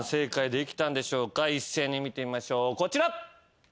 一斉に見てみましょうこちら。